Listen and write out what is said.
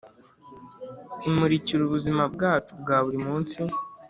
imurikira ubuzima bwacu bwa buri munsi